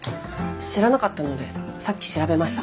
知らなかったのでさっき調べました。